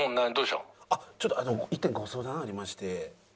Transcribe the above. あっちょっとあの１点ご相談ありまして。